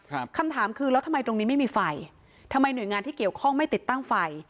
คำถามคือแล้วทำไมตรงนี้ไม่มีไฟทำไมหน่วยงานที่เกี่ยวข้องไม่ติดตั้งไฟ